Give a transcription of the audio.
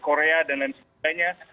korea dan lain sebagainya